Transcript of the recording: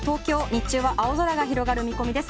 日中は青空が広がる見込みです。